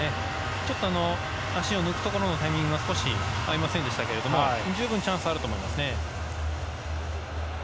ちょっと足を抜くところのタイミングが少し合いませんでしたけれども十分チャンスあると思いますね。